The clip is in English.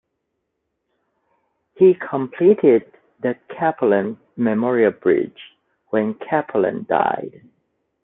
He completed the Cappelen Memorial Bridge when Cappelen died.